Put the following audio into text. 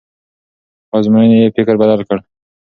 خو ازموینې یې فکر بدل کړ.